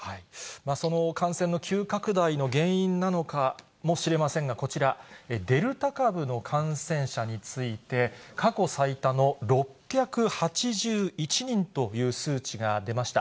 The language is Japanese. その感染の急拡大の原因なのかもしれませんが、こちら、デルタ株の感染者について、過去最多の６８１人という数値が出ました。